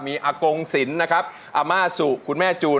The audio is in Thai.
มีอากงศิลป์นะครับอาม่าสุคุณแม่จูน